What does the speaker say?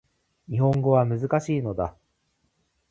日本語は難しいのだ